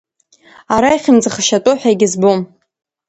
Ара ихьымӡӷшьатәу ҳәа егьызбом.